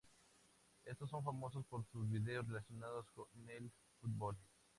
Estos son famosos por sus vídeos relacionados con el fútbol.